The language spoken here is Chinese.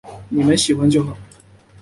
妳们喜欢就好